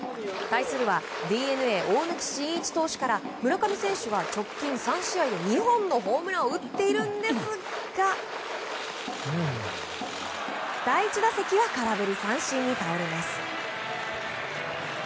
対するは、ＤｅＮＡ大貫晋一投手から村上選手は直近３試合で２本のホームランを打っているんですが第１打席は空振り三振に倒れます。